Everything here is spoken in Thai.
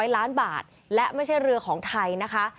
๐ล้านบาทและไม่ใช่เรือของไทยนะคะ